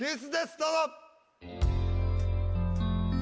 どうぞ。